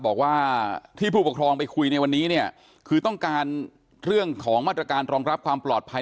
บอกว่าที่ผู้ปกครองไปคุยในวันนี้เนี่ยคือต้องการเรื่องของมาตรการรองรับความปลอดภัย